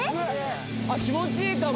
あっ気持ちいいかも。